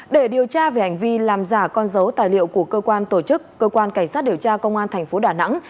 để điều tra về hành vi làm giả con dấu tài liệu của cơ quan tổ chức cơ quan cảnh sát điều tra công an thành phố đà nẵng